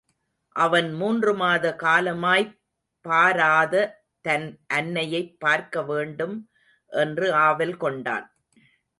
அவன் மூன்று மாத காலமாய்ப் பாராத தன் அன்னையைப் பார்க்கவேண்டும் என்று ஆவல் கொண்டான்.